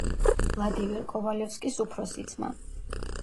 ვლადიმერ კოვალევსკის უფროსი ძმა.